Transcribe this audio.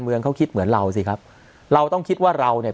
เขาคิดเหมือนเราสิครับเราต้องคิดว่าเราเนี่ย